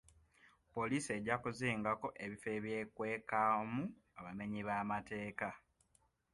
Poliisi ejja kuzingako ebifo ebyekwekamu abamenyi b'amateeka.